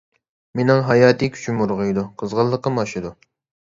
مېنىڭ ھاياتىي كۈچۈم ئۇرغۇيدۇ، قىزغىنلىقىم ئاشىدۇ.